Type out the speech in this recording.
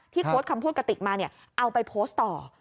ที่โพสต์คำพูดกติกมาเนี่ยเอาไปโพสต์ต่อ